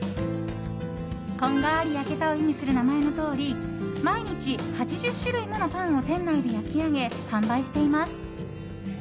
こんがり焼けたを意味する名前のとおり毎日８０種類ものパンを店内で焼き上げ販売しています。